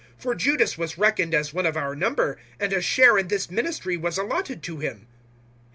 001:017 For Judas was reckoned as one of our number, and a share in this ministry was allotted to him."